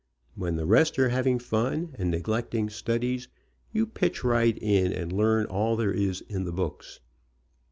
When the rest are having fun and neg lecting studies, you pitch right in and learn all there is in the books.